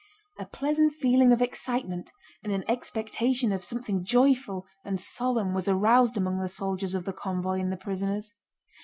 A pleasant feeling of excitement and an expectation of something joyful and solemn was aroused among the soldiers of the convoy and the prisoners.